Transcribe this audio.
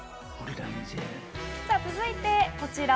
続いてこちら。